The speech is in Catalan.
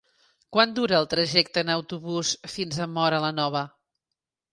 Quant dura el trajecte en autobús fins a Móra la Nova?